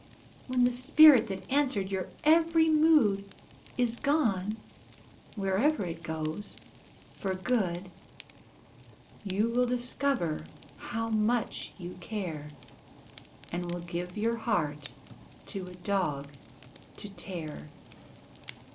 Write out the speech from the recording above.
When the spirit that answered your every mood Is gone wherever it goes for good, You will discover how much you care, And will give your heart for the dog to tear.